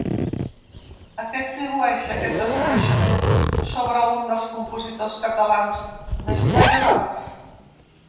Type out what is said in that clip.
A què atribueix aquest desconeixement sobre un dels compositors catalans més rellevants?